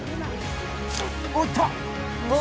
おいった！